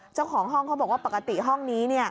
เจ้าของห้องเขาบอกว่าปกติห้องนี้